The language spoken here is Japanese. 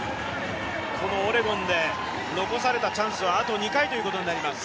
このオレゴンで残されたチャンスは、あと２回になります。